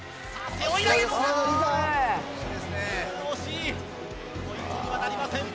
ポイントにはなりません